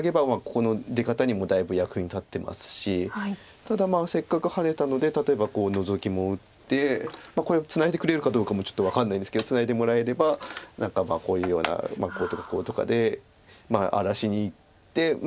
ただせっかくハネたので例えばノゾキも打ってこれをツナいでくれるかどうかもちょっと分かんないんですけどツナいでもらえれば何かこういうようなこうとかこうとかで荒らしにいって。